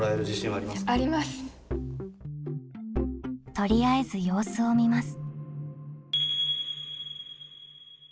とりあえず様子を見ます。